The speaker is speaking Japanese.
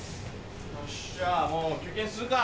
よしじゃあもう休憩にするか。